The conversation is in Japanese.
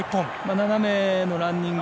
斜めのランニング。